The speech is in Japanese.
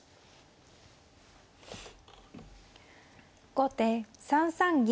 後手３三銀。